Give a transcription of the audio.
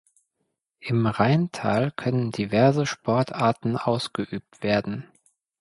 Im Rheintal können diverse Sportarten ausgeübt werden.